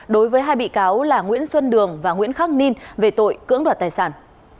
đối với hai bị cáo là nguyễn xuân đường và nguyễn khắc ninh về tội cưỡng đoạt tài sản